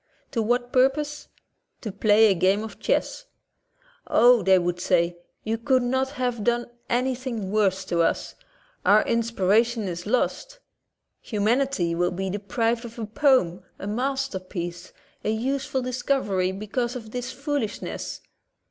To what purpose? To play a game of chess. "Oh," they would say, "you could not have done anything worse to us. Our inspiration is lost, humanity will be de prived of a poem, a masterpiece, a useful dis covery, becatise of this foolishness.''